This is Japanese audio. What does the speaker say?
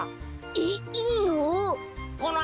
えっいいの？